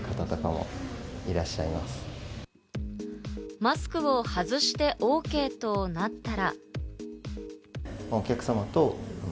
マスクを外してＯＫとなったら。